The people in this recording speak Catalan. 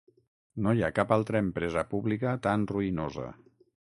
No hi ha cap altra empresa pública tan ruïnosa.